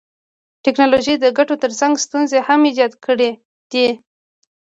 ټکنالوژي د ګټو تر څنګ ستونزي هم ایجاد کړيدي.